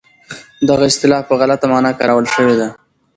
دغه اصطلاح په غلطه مانا کارول شوې ده.